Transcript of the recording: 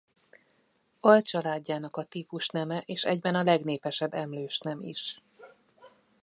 Alcsaládjának a típusneme és egyben a legnépesebb emlősnem is.